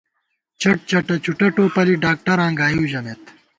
چَٹ چَٹہ چُٹہ ٹوپَلی ڈاکٹراں گائیؤ ژَمېت